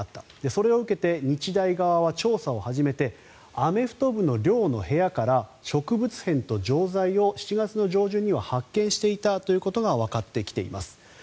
それを受けて日大側は調査を始めてアメフト部の寮の部屋から植物片と錠剤を７月上旬には発見していたということがわかってきています。